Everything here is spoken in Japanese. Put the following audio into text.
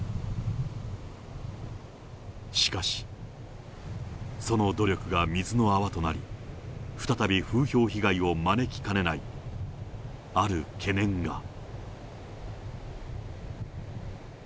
しかし、その努力が水の泡となり、再び風評被害を招きかねない、ある懸念が。